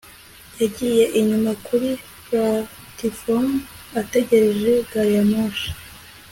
yagiye inyuma kuri platifomu ategereje gari ya moshi